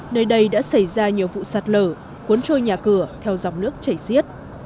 nơi đây đã xảy ra nhiều vụ sạt lở cuốn trôi nhà cửa theo dòng nước chảy xiết